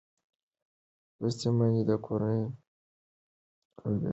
لوستې میندې د کورنۍ روغتیا پیاوړې کوي